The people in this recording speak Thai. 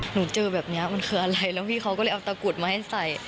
หนูเจอแบบนี้มันคืออะไรแล้วพี่เขาก็เลยเอาตะกรุดมาให้ใส่